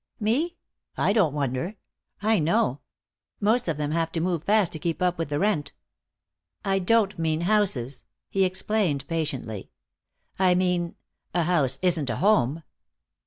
"Me? I don't wonder. I know. Most of them have to move fast to keep up with the rent." "I don't mean houses," he explained, patiently. "I mean A house isn't a home."